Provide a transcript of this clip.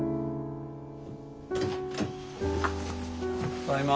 ただいま。